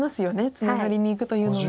ツナがりにいくというのも。